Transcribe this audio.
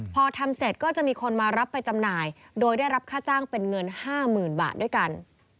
พอทำเสร็จก็จะมีคนมารับไปจำหน่ายโดยได้รับค่าจ้างเป็นเงิน๕๐๐๐บาทด้วยกัน